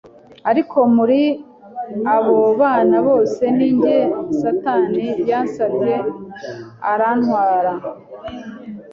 ariko muri abo bana bose ni njye satani yasabye arantwara